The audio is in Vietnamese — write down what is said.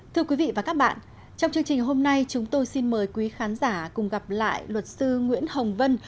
thưa quý vị và các bạn trong chương trình hôm nay chúng tôi xin mời quý khán giả cùng gặp lại luật sư nguyễn hồng vân